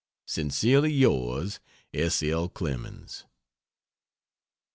Sincerely yours, S. L. CLEMENS.